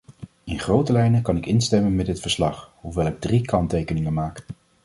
In grote lijnen kan ik instemmen met dit verslag, hoewel ik drie kanttekeningen maak.